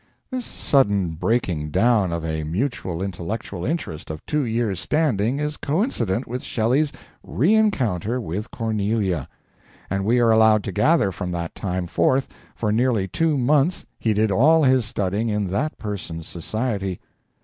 This sudden breaking down of a mutual intellectual interest of two years' standing is coincident with Shelley's re encounter with Cornelia; and we are allowed to gather from that time forth for nearly two months he did all his studying in that person's society.